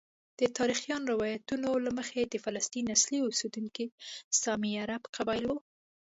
د تاریخي روایاتو له مخې د فلسطین اصلي اوسیدونکي سامي عرب قبائل وو.